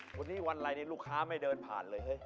วันนี้วันอะไรลูกค้าไม่เดินผ่านเลย